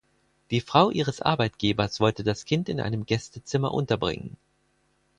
Die Frau ihres Arbeitgebers wollte das Kind in einem Gästezimmer unterbringen.